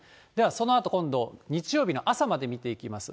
そのあと今度日曜日の朝まで見ていきます。